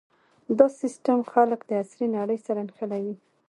دا سیستم خلک د عصري نړۍ سره نښلوي.